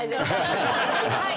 はい。